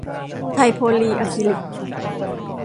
ไทยโพลีอะคริลิค